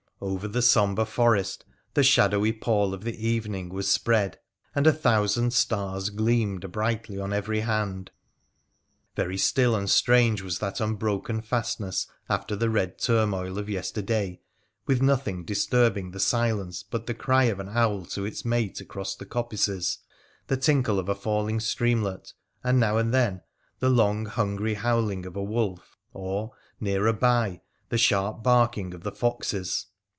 Over the sombre forest the shadowy pall of the evening was spread, and a thousand stars gleamed brightly on every hand. Very still and strange was that unbroken fastness after the red turmoil of yesterday, with nothing disturbing the silence but the cry of an owl to its mate across the coppices, the tinkle of a falling streamlet, and now and then the long, hungry howling of a wolf, or, nearer by, the sharp barking of the foxes.